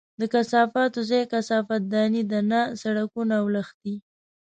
د کثافاتو ځای کثافت دانۍ دي، نه سړکونه او لښتي!